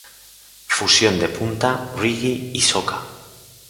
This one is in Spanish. Fusión de punta, reggae y soca.